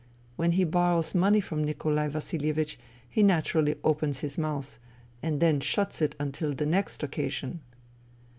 When he borrows money from Nikolai Vasilie vich he naturally opens his mouth, and then shuts it until the next occasion."